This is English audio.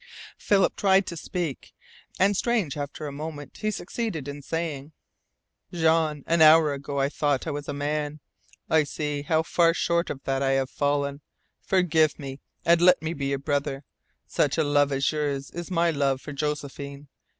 Philip tried to speak; and strange after a moment he succeeded in saying: "Jean, an hour ago, I thought I was a man. I see how far short of that I have fallen. Forgive me, and let me be your brother. Such a love as yours is my love for Josephine.